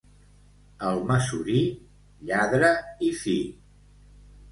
Almassorí, lladre i fi.